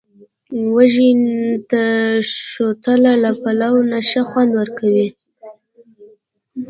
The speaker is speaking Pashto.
وږي ته، شوتله له پلاو نه ښه خوند ورکوي.